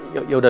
yaudah gitu pak